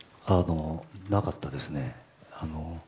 なかったですね。